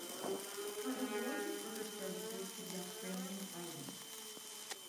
Her award was for her services to the Australian Parliament.